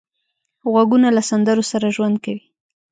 غوږونه له سندرو سره ژوند کوي